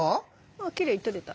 あきれいに撮れた。